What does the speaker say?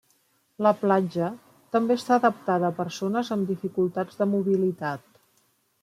La platja també està adaptada a persones amb dificultats de mobilitat.